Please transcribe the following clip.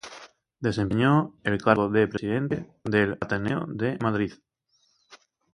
Desempeñó el cargo de presidente del Ateneo de Madrid.